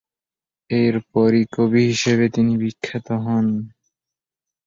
এরপরই কবি হিসেবে তিনি বিখ্যাত হন।